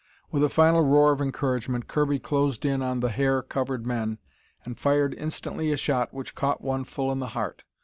With a final roar of encouragement Kirby closed in on the hair covered men, and fired instantly a shot which caught one full in the heart.